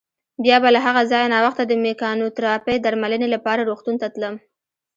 بیا به له هغه ځایه ناوخته د مېکانوتراپۍ درملنې لپاره روغتون ته تلم.